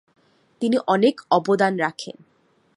তিনি অনেক অবদান রাখেন।